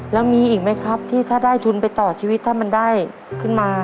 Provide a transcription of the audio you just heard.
แล้วมีอีกไหมครับที่ถ้าได้ทุนไปต่อชีวิตถ้ามันได้ขึ้นมา